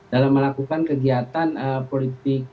dalam melakukan kegiatan politik